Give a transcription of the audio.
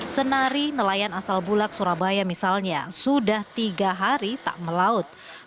senari nelayan asal bulak surabaya misalnya sudah tiga hari tak melaut